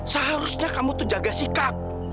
seharusnya kamu tuh jaga sikap